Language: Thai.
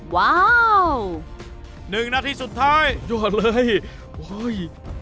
ว้าวหนึ่งนาทีสุดท้ายหยุดเลยเฮ้ย